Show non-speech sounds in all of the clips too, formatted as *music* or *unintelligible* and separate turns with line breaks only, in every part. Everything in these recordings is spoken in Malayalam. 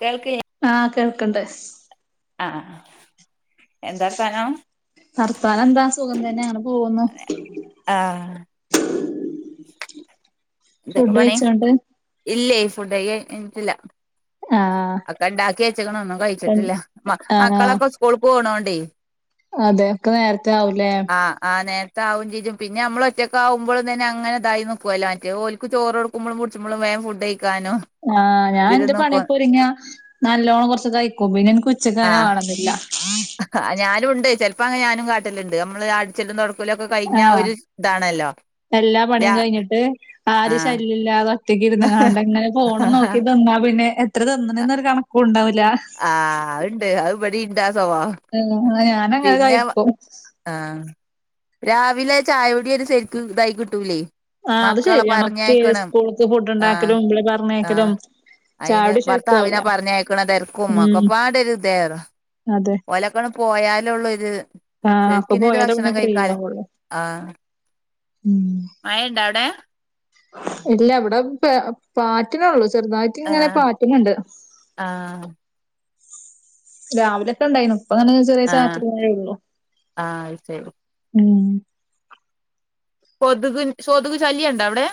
കേൾക്ക് ല്ലാ...
ആ കേൾക്ക്ണ്ട്
ആഹ് എന്താർത്താനം
വർത്താനം എന്താ സുഖം തന്നെ അങ്ങനെ പോവുന്നു
ആഹ് എന്തോക്കെ
ഫുഡ്
പണി
കഴിച്ചോണ്ട്
ഇല്ലേയ് ഫുഡയി കഴിഞ്ഞിട്ടില്ല.
ആഹ്
ഒക്ക ഇണ്ടാക്കി വച്ച്ക്ക്‌ണ് ഒന്നും
ഉം
കഴിച്ചിട്ടില്ല മ
ആഹ്
മക്കളൊക്കെ സ്കൂൾ പോണോണ്ടേയ്
അതെ ഒക്കെ നേരത്തെ ആവുല്ലേ
ആഹ് ആ നേർത്തെ ആവും ചെജും പിന്നെ അമ്മള് ഒറ്റക്ക് ആകുമ്പളും തന്നെ അങ്ങന ഇതായി നിക്കുവല്ലോ. ഓൽക്ക് ചോറ് കൊടുക്കുമ്പളും പുടിച്ചുമ്പളും വേം ഫുഡ് കഴിക്കാനും
ആഹ് ഞാൻ
ഇതില്
ന്റെ
നോക്കും
പണിയൊക്കെ ഒരുങ്ങിയ നല്ലോണം കൊർച്ച് കഴിക്കും. പിന്നെ ഇൻക്ക് ഉച്ചക്കങ്ങനെ വാണംന്നില്ല *inaudible*
ആ ഞാനുണ്ട് ചെൽപ്പാങ്ങ ഞാനും. അമ്മള് അട്ച്ചലും തൊടക്ക
ആഹ്. എല്ലാ പണിയും
രാ
കഴിഞ്ഞിട്ട് ആര്യും
ആഹ്
ശല്യ ല്ലാതെ ഒറ്റക്കിരുന്ന് കാണ്ടങ്ങനെ ഫോണും നോക്കി തിന്നാ പിന്നെ എത്ര തിന്ന്ണ്ന്നൊരു കണക്കുംണ്ടാവൂല
ആഹ് അഅ്ണ്ട് അഅ് വടിംണ്ടാ സ്വഭാവം
ആ ഞാനങ്ങനെ
പിന്നെ
കഴിക്കും
ആഹ്. രാവിലെ ചായ കുടി ഒരു ശരിക്കും ഇതായി കിട്ടൂലേയ്
ആഹ്. അത് ശരിയാണ്. ഒക്കെ സ്കൂൾക്ക് ഫുഡ്ണ്ടാക്കലും ബലെ പർഞ്ഞയക്കലും
അയ്ന്, ഭർത്താവിനെ പറഞ്ഞയക്കണ തെരക്കും
ഉം
ഒക്കെ പാട് ഒരു തായത
അതെ
ഓലക്കൊന്ന് പോയാലൊള്ളൂര്
ആഹ് അപ്പൊ
ശരിക്കിനൊരു
പോയാലേ പിന്നെ
ഭക്ഷണം
ഫ്രീ
കഴിക്കാലൊ
ആവുള്ളൂ ഉം
മഴണ്ടോ അവിടെ
ഇല്ല ഇവിടെ പാറ്റിനൊള്ളു, ചെർതായിട്ട് ഇങ്ങനെ
ആഹ്
പാറ്റ്ണ് ണ്ട്
ആഹ്
രാവിലെ ഒക്കെണ്ടായിന്നു. പ്പോ ഇങ്ങനെ ചെറിയൊരു
ആഹ്
ചാറ്റൽ മഴയെള്ളൂ
ആഹ് അത് ശരി
ഉം
കൊതുക് കൊതുക് ശല്യം ണ്ടോ അവിടെ?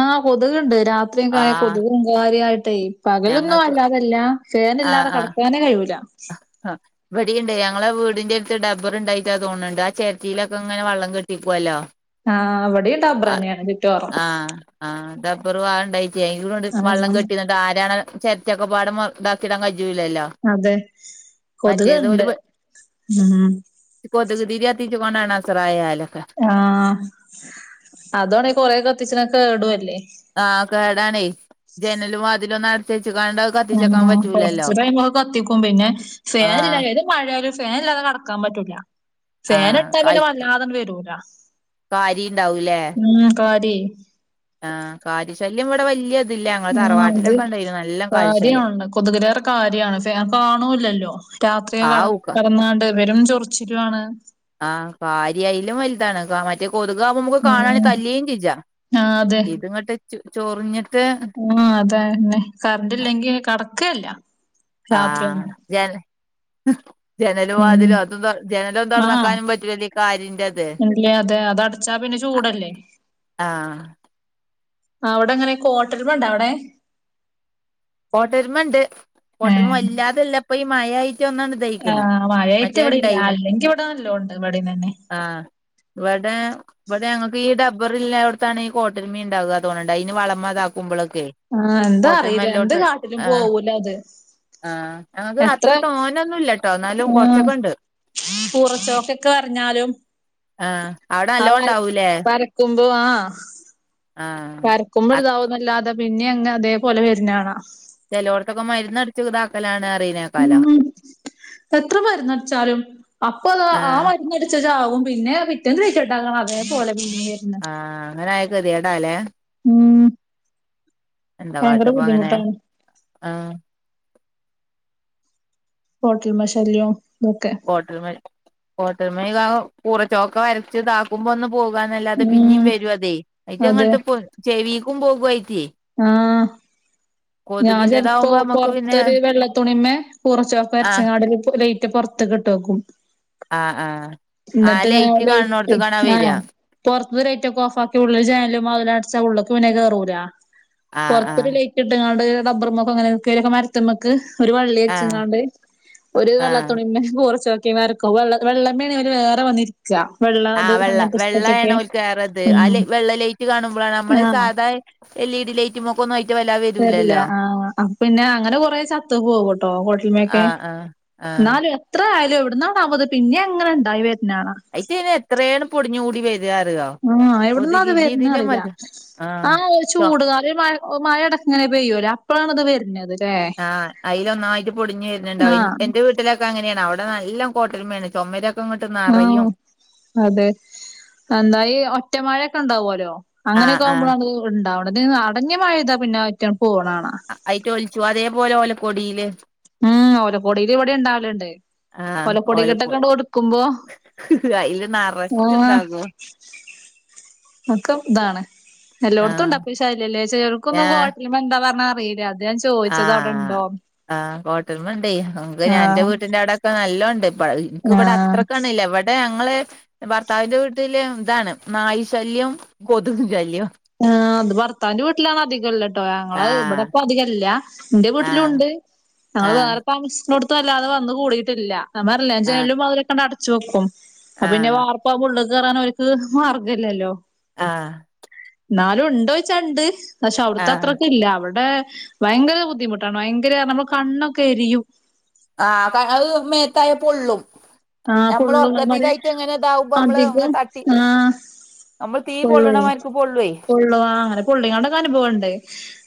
ആഹ്., കൊതുക്ണ്ട്. രാത്രി ഒക്കെ ആയാ
ആഹ്
കൊതുകും കാര്യായിട്ടേയ് പകലൊന്നും
ഞങ്ങക്ക്
വല്ലാതില്ല ഫേനില്ലാതെ കടക്കാനേ കഴിയൂല
അ ഹ ഇവടിം ണ്ട്. ഞങ്ങളെ വീടിന്റെ ട്ത്ത് ഡബ്ബർ ഉണ്ടായിട്ട തോന്ന്ണ്ട്. ആ ചെരട്ടയിലൊക്കെ ഇങ്ങനെ വെള്ളം കെട്ടിക്കുവല്ലോ
ആ വിടെയുംടബ്ബറന്നെയാണ് ചുറ്റോറും
ആ ആ ടബ്ബർ *unintelligible* വള്ളം
ആഹ്
കെട്ടി നിക്കു ‌ ആരാണ് ചെരട്ടയൊക്കെപാട് മു താക്കിടാൻ കഴിയൂല്ലല്ലോ
അതെ
മറ്റേതോല്
കൊതുക്ണ്ട് ഉം
കൊതുക് തിരിത്തിച് കൊണ്ടാണ്സറായാലൊക്കെ
ആഹ് അതാണെ കൊറെ കത്തിച്ചണത് കേടുഅല്ലേ.
ആഹ് കേടാണേ. ജനലും വാതിലും ന്നട്ചചുങ്ങാണ്ട
ഉം കൊറച്ചകഴിയുമ്പോ ക്കെ കത്തിക്കും പിന്നെ ഫേനല്ലാ
ആഹ്
മഴയാലും ഫാൻ ഇല്ലാതെ കിടക്കാൻ പറ്റൂല ഫാൻ
ആഹ്
ട്ടാ പിന്നെ വല്ലാതെങ്‌ വരൂല
കാരിണ്ടാവൂലെ?
ഹമ് കാരി.
ആഹ് കാരി ശല്യം ഇവിടെ വല്യ വ്ടെ തറവാട്ടിലൊക്കെണ്ടെര്ന്നു ന
കാരിയാണ് കൊതുകലേറെ കാര്യണ് കാണൂല്ലല്ലോ രാത്രിയ ക കിടന്നാണ്ട് പെരും ചോറിച്ചിലാണ്
ആഹ് കാരിആയിലും വലുതാണ് മറ്റ ടറ്റെ കൊതുകവുമ്പ നമുക്ക് കാണാൻ
ഉം
തല്ലിയേം ചിജാ
ആഹ് അതെ
ഇത് ഇങ്ങോട്ട് ച ചൊറിഞ്ഞിട്ട്
മ്ഹ് അതന്നെ കറന്റ്ല്ലെങ്കി കട്ക്കെല്ല.
ആഹ് ജന ജനലും
ഉം
വാതിലോ അതും ജനലും തുറന്നക്കാനും പറ്റൂല്ലേ കാരിന്റെത്
ല്ലെ അതെ ആ അതടച്ചാ പിന്നെ ചൂടല്ലേ
ആഹ്
ആ അവ്ടെ ങ്ങനെ കോട്ടെരുമണ്ടോ അവിടെ
കോട്ടര്മണ്ട്
ഏഹ്
കോട്ടരുമ വല്ലാതല്ലപ്പൊ ഈ മഴമായിട്ട് ഒന്ന
ആഹ് മഴയായിട്ട് എവിടെല്ല അല്ലെങ്കിൽ ഇവിടെന്നല്ലോണ്ട് ഇവിടെന്ന് തന്നെ.
ആഹ് വടെ വിടെ ഞങ്ങൾക്ക് ഈ ഡബർ ഇല്ലായിടത്താണ് ഈ കോട്ടരുമി ഉണ്ടാകുക തോന്ണ്ട് അയ്ന് വളമേ ഇതാക്കുമ്പോളോക്കെ
ആഹ് ന്താ അറിയില്ല എന്ത് കാട്ടിലും പോവൂല അത്.
ആഹ് ഞങ്ങക്ക്
എത്ര
അത്ര തോന്നൊന്നുംല്ലട്ടോ ന്നാലും കൊറച്ചൊക്കെ ണ്ട്.
കൂറച്ചോക്ക ക്കെ വരഞ്ഞാലും
ആഹ് അവിടെ നല്ലോ
അത് വര
ഉണ്ടാവൂലേ
വരക്കുമ്പോ ആഹ്
ആഹ്
ക്കുമ്പോതാവന്നല്ലാതെ പിന്നെ അങ്ങ് അതേപോലെ വരുന്നാണ
ചിലോടത്തൊക്കെ മര്ന്നടിച്ചു ഇതാക്കലാണ്റിനേക്കാ
മം എത്ര മരുന്നടിച്ചാലും അപ്പൊത ആ
ആഹ്
മ അടിച്ച ചാവും. പിന്നെ പിറ്റേലൈറ്റ്ട്ടാക്കണം അതേപോലെ പിന്നെ വര്ന്ന്.
ആഹ് അങ്ങനെ ആയക്കെതിയെടാല്ലെ
മം
എന്താ കാട്ടപ്പങ്ങനെ
ബുദ്ധിമുട്ടാണ്.
ആഹ്
കോട്ടരുമ ശല്യം ഒക്കെ
കോട്ടരുമ കോട്ടരുമ കൂറച്ചോക്ക വരച്ച് താക്കുമ്പോ ഒന്ന് പോകാന്നല്ലാതെ
ഉം
പിന്നെയും വേരും അതെയ്
അതെ
ആയിറ്റങ്ങട്ട് ചെവീക്കും പോകുവയിറ്റേ.
ആഹ് ഞാൻ ചെലപ്പോ
കൊതുകിന്റതാവുമ്പോ നമ്മുക്ക് പിന്നെ
പൊർത്തൊരു വെള്ളത്തുണിമേ കൂറച്ചൊക്ക
ആഹ്
വരച്ങ്ങാണ്ട് റ്റ് പുറത്ത്ക്ക്ട്ടോക്കും
ആഹ് ആഹ് ആഹ്
എന്നിട്ട് ഇങ്ങനെ ലൈറ്റ്
കാണുന്നോടത്ത്ക്കാണ്
ആഹ്
വരാ
പുറത്തരു ലൈറ്റ് ഒക്കെ ഓഫാക്കി ഉള്ളിൽ ജനാലും വാതിലും അടച്ച ഉള്ള്ക്ക് പിന്നേ കേറൂല.
ആഹ് ആഹ്
പുറത്തൊരു ലൈ ട്ട് ങ്ങാണ്ട് ഡബാറുമക്കോ അങ്ങനെക്കൊക്കെ മര മക്ക് ഒരു
ആഹ്
വള്ളിച്ചങ്ങാണ്ട് ഒരു
ആഹ്
വെള്ളതുണിമ്മെ കൂറചോക്കാ വേക്ക വെള്ള വെള്ളമേ വര് വേറെ വന്നിരിക്ക
ആഹ് വെള്ള വെള്ള ആണ് ഓല്ക്ക് കേറത്
ഉം
ആഹ് വെള്ള ലേറ്റ് കാണുമ്പോഴാണ് നമ്മള്
ആഹ്
സാധാ എൽ ഇ ഡി ലൈറ്റ് മ്മക്ക് ഒന്നും അയയ്ക്ക *inaudible*
തരില്ല ആ പിന്നെ അങ്ങനെ കൊറേ ചത്ത പോക കേട്ടോ ഹോട്ടലമൊക്കെ..
ആഹ് ആഹ് ആഹ്
എന്നാലും എത്ര ആയാലും എവിടുന്നണാ പ്പോത് പിന്നെ അങ്ങനെ ഉണ്ടായി വരുന്നാണ
അയി എന്ന് ഇന് എത്രയണ് പൊടിഞ്ഞുകൂടി വരികറതോ
ആ എവിടന്ന അത് വരന്ന അറിയില്ല
ആഹ്
ആ..
ചൊ
ചൂടുകാല് മഴ അടക്ക ഇങ്ങനെ പെയ്യൂല്ലേ അപ്പയാണത് വരണത്..
ആഹ് അതിൽ ഒന്നായിട്ട് പൊടിഞ്ഞഞ് വരുന്നുണ്ടാവും
ആഹ്
എന്റെ വീട്ടിലെ.. അങ്ങനെയാണ് അവിടെ നല്ല കോട്ടല വേണ് ചുമര
ആ അതെ എന്തായായി ഒറ്റ മഴൊക്കെ ഉണ്ടാവുമലോ..
ആഹ്
അങ്ങനെയൊക്കെ
ആഹ്
ആവുമ്പോളാണ് ഉണ്ടാവണത് ഇത് അടഞ്ഞ മഴപെയ്ത പിന്നെ ഒറ്റ പോണേണം
ആയിട്ട ഒലിച്ചു അതേപോലെ ലെ കൊടിയില്
ഉം ഓലക്കോടിൽ ഇവിടെ ഉണ്ടാവലുണ്ട്..
ആഹ്
പോല
ഓലക്കൊടി
പൊടികിട്ടൊക്കെണ്ട് കൊടുക്കുമ്പോ
അയില്
ആഹ..
നറച്ചുണ്ടാകും
നക്കും ഇതാണ് എല്ലായിടത്തും ഉണ്ട്
ആഹ്
അപ്പ ശല്യല്ലേ ചിലർക്കൊന്നും കോ എന്താ പറഞ്ഞ അയില്ലേ അത്
ആഹ ആ കോട്ടമണ്ടേ നിക്ക് ഞാൻ എന്റെ
ആഹ്
വീട്ടിന്റെടയൊക്കെ നല്ലോണ്ട് പ്പ എനക്ക് ഇവിടെ
ആഹ്
അത്ര കാണില്ല ഇവിടെ ഞങ്ങള് ഭർത്താവിന്റെ വീട്ടില് ഇതാണ് നായ് ശല്യം കൊതുകും ശല്യവും
ആ അത് ഭർത്താന്റെ വീട്ടിലാണ് അധികംള്ള കേ
ആ
ഞങ്ങള് ഇവിടെപ്പ അധികല്ല എന്റെ
ആ
വീട്ടിലും ഉണ്ട്
ആ
ഞങ്ങള് വേറെ താമസിക്ക.. ല്ലാതെ വന്ന കൂടിയിട്ടില്ല
ആ
നമ്മല്ലും അതിലൊക്കെ അടച്ചു വെക്കും
ആ
പിന്നെ വാർ. ഇപ്പ പുള്ള കയറാൻക്ക് മാർഗംമല്ലല്ലോ.
ആ
എന്നാലും ഉണ്ടോ ചോച്ചാണ്ട് പക്ഷെ
ആ
അവിടത്തെ അത്രൊക്കെ ഇല്ല അവിടെ. ഭയങ്കര ബുദ്ധിമുട്ടാണ് ഭയങ്കര നമ്മ കണ്ണൊക്കെ എരിയും..
ആഹ് തക് ത് മേത്തായ പൊള്ളും
ആഹ്
നമ്മൾ
പുള്ളും
ഉറക്കത്തിലായിട്ട് എങ്ങനെ ഇതാവുമ്പോ നമ്മള് അങ്ങ്
അധികം
തട്ടി
ആഹ..
നമ്മൾ തീ
കൊള്ളുവേ
പൊള്ളണമാർക്ക് പൊള്ളുവേ
കൊള്ളൂവാ അങ്ങനെ പുള്ളികൊക്കെ അനുഭവംമുണ്ട്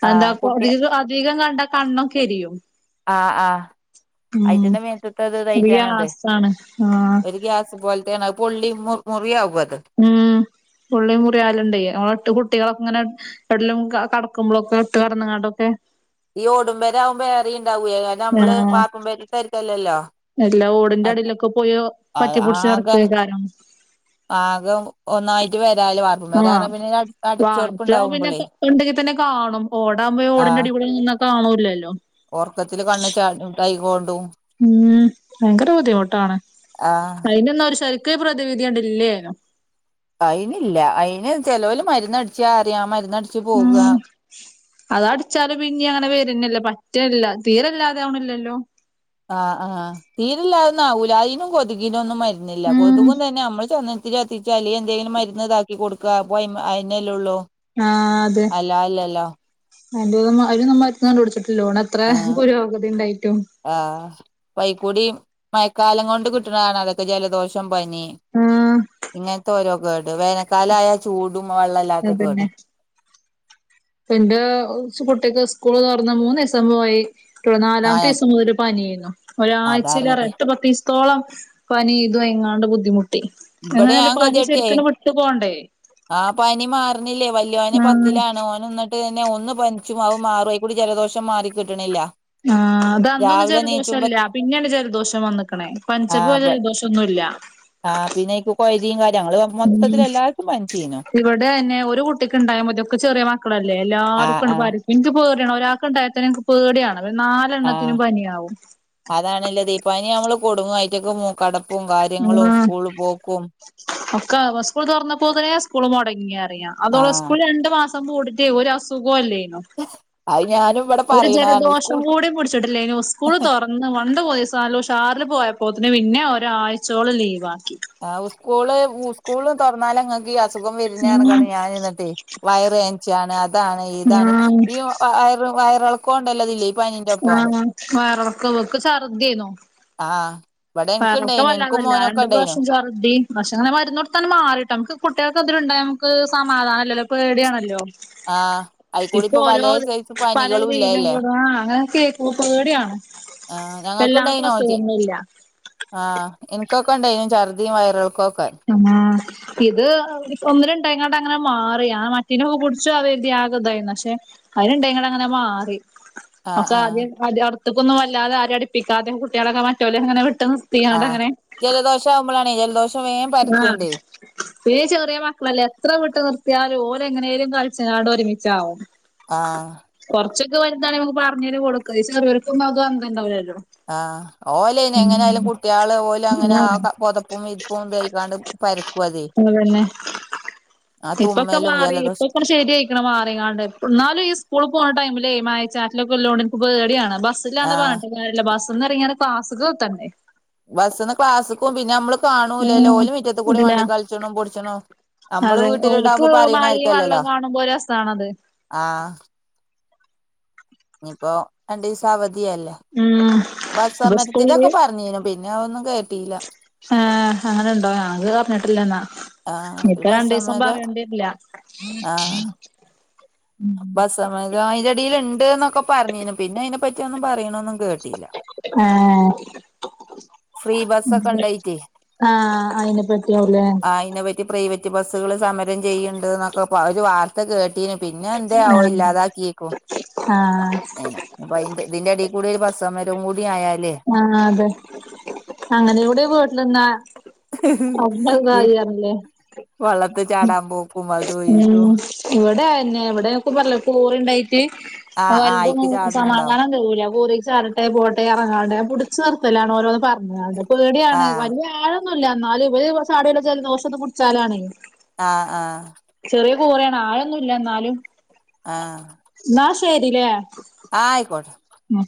ആ
എന്താ
കുട്ടിയ
അ അധികം കണ്ട കണ്ണും കെരിയും
ആ ആ ഐറ്റന്റെ മേനസത്ത അത്ത്റ്റാണ അതെ
ഗ്യാസാണ് ആഹ്
ഒരു ഗ്യാസ് പോലെ.. ന പൊള്ളി ള്ള മു മുറിയ അ ഉപധ
ഉം പുള്ളി മുറിയാലണ്ടട്ട് ഓളത്ത കുട്ടികളൊക്കെ ഇങ്ങനെ.. എവിടലും കടക്കുമ്പോളൊക്കെ ഇട്ട് കിടന്നങ്ങാട്ടൊക്കെ.
ഈ ഓടമ്പരാ ആകുമ്പോ വേറെ ഉണ്ടാവൂയേ കാര നമ്മള്
ആഹ്
വാക്കും വേരിട്ടരിക്കല്ലല്ലോ..
എല്ലാ ഓടിന്റെ അടിയിലൊക്കെ പോയി പറ്റിപൊടിച്ച് നടക്ക കാരണം
ആകം ഒന്നായിട്ട് വരാല് വ
ആഹ് ആഹ് പിന്നെ ഉണ്ടെങ്കി തന്നെ കാണും ഓടാകുമ്പോ ഓടിന്റെ അടിപൊളന്ന കാണൂലല്ലോ
ഓർക്കത്തില്കണ്ണ് ചാ കൊണ്ടും
ഉം ഭയങ്കര ബുദ്ധിമുട്ടാണ്
ആഹ്
അതിനെന്ന ഒരു ശരിക്കൊരു പ്രതിവിധി കണ്ടില്യരുന്നു
അയിനില്ല അയിന് ചെലവൽ മരന്ന്ടിച്ച അറിയാം മരുന്ന്ടിച്ച് പോകുക.
ഉം അതടിച്ചാല് പിനി അങ്ങനെ വരുന്നല്ല പറ്റില്ല തീരെല്ലാതെ ആവണില്ലല്ലോ
ആഹ് ആഹ് തീരെല്ലാതന്ന ആവൂല അതിനും കൊതുകിനൊന്നും മരുന്നില്ല
ഉം
കൊതുകും തന്നെ നമ്മള് ചെന്ന് ഒത്തിരത്തിച്ചാല് എന്തെങ്കിലും മരുന്ന് ഇതാക്കി കൊടുക്കുക അ അയില്ലേ ഉള്ളോ..
ആ അതെ അന്റെ അര് നമ്മറ്റണ്ട് വിടിച്ചിട്ട ലോണ അത്ര
ആഹ്
പുരോഗതി ഉണ്ടായിട്ടും
ആഹ് പൈക്കൂടി മഴക്കാലം കൊണ്ട് കിട്ടുന്നതാണ് അതൊക്കെ ജലദോഷ ച്ചം പനി
ആഹ്
ഇങ്ങനത്തെ ഓരോ കേട് വേനൽക്കാല ആയാ ചൂടും വെള്ളമല്ലാത്ത കേട്..
അതന്നെ എന്റെ കുട്ടിക്ക് സ്കൂൾ തുറന്ന് മൂന്ന് ദിവസം പോയി നാലാമത്തെ
ആഹ്
ദിവസം മുതൽ പനിയ്യർന്നു. ഒരാഴ്ചയിലാറെ
അതാർഞ്ഞത്
എട്ട് പത്ത് ദിവ സിം ത്തോളം പനി ഇതും ഐങ്ങാണ്ട് ബുദ്ധിമുട്ടി.
ഇബടെ
എങ്ങനെലും
ഞാൻ
പനി
കെതിയെട്ടെ
ശരിക്കുംവിട്ട് പോണ്ടേ
ആ പനി മാർണില്ലേ. വല്യോന്
ആഹ്
പത്തിലാണ് ഓനിന്നിട്ട് ട്ട് തന്നെ ഒന്ന്‌ പനിച്ചു അതുമാറും അയിക്കൂടി ജലദോഷം മാറി കിട്ട്ണില്ല.
ആഹ് അതന്നൊന്നും ജലദോഷല്ല്യ പിന്നെയാണ് ജലദോഷം വന്ന്‌ക്ക്ണ്‌ പനിച്ചപ്പോ ആ ജലദോഷോഷം ന്നുല്ല.
ആ പിന്നൈക്കൂ
ഉം.
പനിച്ചീനു
ഇവിടെ ആയെന്നെ ഒരു കുട്ടിക്ക് ഉണ്ടായമതി ഒക്കെ ചെറിയ മ ക്കളല്ലേ
ആ
എല്ലാരുകണ്ട്
ആ
പരി സ് ഇൻക്ക് പേടിയാണ്. ഒരാക്കിണ്ടായത്തേനെ ഇൻക്ക് പേടിയാണ് പിന്നെ
ആ
നാലെണ്ണത്തിനും പനിയാവും
അതാണല്ലത്. ഇപ്പനി നമ്മള് കുടുങ്ങും. ആയിറ്റക്ക് മൂക്കടപ്പും കാര്യങ്ങളും സ്കൂള് പോക്കും.
ഒക്ക സ്കൂൾ തുറന്നപ്പോത്തന്നെ സ്കൂൾ മുടങ്ങിയറിയ
ആ
അതോള് സ്കൂള് രണ്ടു മാസം കൂടിട്ട് ഒരു അസുഖം ഇല്ലേയ്നു
അത് ഞാനും. ഇവിടെ
ഒരു
പറയണതാണ്
ജലദോഷം
സ്കൂൾ
കൂടി പിടിച്ചിട്ടില്ലേനു. ഉസ്കൂള് തൊറ ഇന്ന് വണ്ടുപോയി ഉസഷാറിൽ പോയപ്പോത്തിന് പിന്നെ ഒരാഴ്ചോളം ലീവ് ആക്കി.
ആ സ്കൂള് പൂ സ്കൂള് തെറന്നാൽ ഇങ്ങക് അസുഖം വരിന്
ഉം
പറഞ്ഞ്ക്കാണ്ടു ഞാനിർത്തി വയർവേൻചാണ് അതാണ് ഇതാണ്
ആഹ്
ഈ വ വയറ് വയറിളക്കൊണ്ടല്ല ഇതില്.
ആഹ വയറെളക്കോ ഇവക്ക് ഛർദിയെന്നു
ആഹ
വയറേളക്കോ വല്ലതല്ലെ രണ്ടു പ്രാവശ്യം ചർദി പക്ഷെ അങ്ങനെ മരുന്നോടുത്തന്നെ മാറിട്ടോ. അമ്ക്ക് കുട്ടികൾക്കെന്തെലു ഉണ്ടായ അമ്ക്ക് സമാത നമില്ലല്ലോ. പേടിയണല്ലോ.
ആഹ് അയിക്കൂടി
ഇപ്പൊ
പലേ
ഓരോത്
സൈസ്
പല
പനികളും
തീനം
ഇല്ലേല്ലേ
കേട് ആ അങ്ങനെ കേക്കുമ്പ പേടി ആണ്‌.
ആഹ് ഞങ്ങൾക്ക്
എല്ലാർക്കു
ഇണ്ടായിനു
അസുഖന്നുല്ല.
ആഹ് ഇനിക്കൊക്കെ ഇണ്ടായിനു ഛർദിയും വയറെളക്കൊക്കെ
ന്നാ ഇത് ഒന്നുരണ്ടായങ്ങാണ്ട് അങ്ങനെ മാറി ആ മറ്റിനൊക്കെ കുടിച്ചോ അത് തിയാകതായിരുന്നു പക്ഷെ. അയിന്ണ്ട അങ്ങനെ മാറി
ആഹ്
ഒക്കെ ആദ്യേ
ആഹ്
ആദ്യം അടുത്തക്കൊന്നും വല്ലാതെ ആരെ അടിപ്പിക്കാതെ കുട്ടികളൊക്കെ മറ്റോല് അങ്ങനെ വിട്ട്നിർന്ന്
ആഹ് ജലദോഷ വുമ്പോളാണെ. ജലദോഷം വേം
ആഹ്
പരക്ക്ണ്ട്
പിന്നെ ചെറിയ മക്കളല്ലേ എത്ര വിട്ട് നിർത്തിയാലും ഓല്ങ്ങനെലും കളിച്ചിങ്ങാണ്ട് ഒരുമിച്ചാവും.
ആഹ്
കൊറച്ചൊക്കെ വലുതാണേ നമക്ക് പറഞ്ഞേൽ കൊടുക്ക. ഇത് ചെറിയോർക്കൊന്നും അത് അന്തംണ്ടാവുല്ലല്ലോ.
ആഹ് ഓലെനിങ്ങനെയാലും കുട്ടികള് ഓലും അങ്ങനെ ആ
ആഹ്
പൊതപ്പും ഇപ്പ കെണ്ടയ്ക്കാണ്ട് പരക്കുവതെ
അതന്നെ
ആ തുമ്മലും ജലദോശം
ശരിയയിക്കണ് മാറിങ്ങാണ്ട്. ഇന്നാലും ഈ സ്കൂള് പോണ ടൈമിലെ മായച്ചാറ്റിലക്കിലോണ്ട്നിക്ക് പേടിയാണ് ബസ് ബസ്സിലാണ്
ആഹ്
പറഞ്ഞിട്ട് കാര്യല്ല ബസ്ന്ന് എറങ്ങിയാലും ക്ലാസ്സ്ക്ക് എത്തണ്ടേ
ബസ്സിന്ന് ക്ലാസ് ക്കുംപിന്നെ നമ്മള് കാണൂലല്ലോ
ഉം
ഓല് മിറ്റത്ത് കൂടി
ഇല്ല
മണ്ടി കൾച്ണും പൊടിച്ണും അമ്മള്
അതെ ഓല്ക്ക്
വീട്ടിലുണ്ടാവുമ്പോ
മഴിം വള്ളം
പറയിണരിക്കല്ലല്ലോ
കാണുമ്പോ രസാണത്.
ആഹ്. ഇനിപ്പോ രണ്ടീസം അവധിയല്ലേ
ഉം
ബസ്
ഇപ്പൊ
സമരത്തിന്റോക്കെ പറഞ്ഞീനു പിന്നെ അ ഒന്നും കേട്ടീല
ആഹ്. അങ്ങനെ ഇണ്ടോ ഞങ്ങൾ അറഞ്ഞിട്ടില്ലന്നാ
ആഹ് ഒരു
നിക്ക
ബസ്
രണ്ട് ദിവസം
സമരം
പറയെണ്ടരില്ല.
സമരയിന്റെടിൽ ഇണ്ട്ന്നൊക്കെ പറഞ്ഞീനു. പിന്നെ അയിനെ പറ്റി ഒന്നും പറയണൊന്നും
ഏഹ
ഫ്രീ ബസ്സൊക്കെ ഇണ്ടായിറ്റേ
ആഹ്. അയിനെ പറ്റിയാവൂല്ലേ
പ്രെവറ്റ് ബസ്സുകൾ സമരം ചെയ്യുണ്ട്ന്നൊക്കെ പ ഒരു വാർത്ത കേട്ടീനു പിന് ഇനന്തേയാവോ
ആഹ്
ഇല്ലാതാക്കിയേക്കു..
ആഹ്
അപ്പൊ അയിന്റെ ഇതിന്റെ എടീകൂടെ ഒരു ബസ്സമരും കൂടി ആയാലേ
ആ അതെ അങ്ങനെ എവിടെ വീട്ടിലന്നാ *unintelligible* ഉം
വള്ളത്ത് ചാടാൻ പോക്കും അതും ഇതും
ഊം ഇവിടെ അയന്നെ ഇവിടെ ഒക്കെ പറ്ഞ്ഞ്ലേ കോറിണ്ടായിട്ട്. അഹ്
ആഹ് ആഹ് അയിക്ക്
വൽതൊന്നും
ചാട്ണണ്ടാവും
സമാധാനം തരുല്ല കോറി ചാടട്ടെ പോട്ടെ അതെ പിടിച്ച് നിർത്തലാണ് ഓരോന്ന് പറഞ്ഞട് പേടിയാണ്
ആഹ്
വലിയ ആഴം ന്നുല്ല ന്നാലുംഇവര് ചാടി വല്ല ജലദോസൊക്കെ പ്ട്ച്ചാലാണ്.
ആഹ ആഹാ
ചെറിയ കോറ്യാണ് ആയൊന്നുല്ല എന്നാലും
ആഹാ
ന്നാ ശെരീല്ലേ?
ആഹാ ആയ്ക്കോട്ടെ
മം..